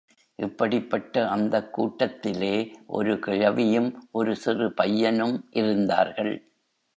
இப்படிப்பட்ட அந்தக் கூட்டத்திலே ஒரு கிழவியும் ஒரு சிறு பையனும் இருந்தார்கள்.